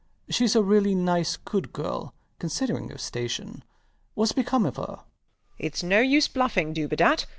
She's a really nice good girl, considering her station. Whats become of her? WALPOLE. It's no use bluffing, Dubedat.